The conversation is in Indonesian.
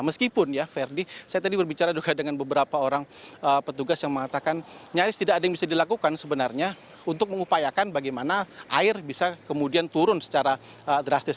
meskipun ya ferdi saya tadi berbicara juga dengan beberapa orang petugas yang mengatakan nyaris tidak ada yang bisa dilakukan sebenarnya untuk mengupayakan bagaimana air bisa kemudian turun secara drastis